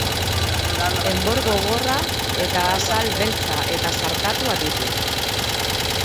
Enbor gogorra eta azal beltza eta zartatua ditu.